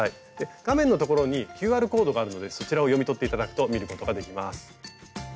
画面のところにＱＲコードがあるのでそちらを読み取って頂くと見ることができます。